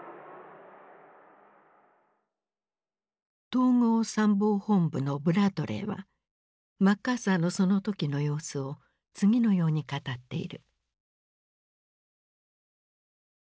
統合参謀本部のブラッドレーはマッカーサーのその時の様子を次のように語っている。